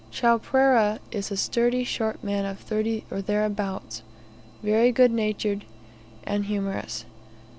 Chowpereh is a sturdy short man of thirty or thereabouts; very good natured, and humorous.